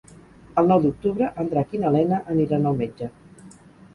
El nou d'octubre en Drac i na Lena aniran al metge.